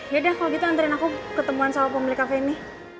ya udah kalo gitu anterin aku ketemuan sama pemilik cafe ini